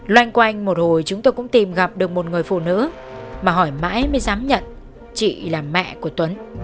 loanh quanh một hồi chúng tôi cũng tìm gặp được một người phụ nữ mà hỏi mãi mới dám nhận chị là mẹ của tuấn